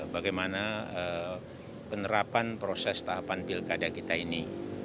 bagaimana penerapan proses tahapan pilkada kita ini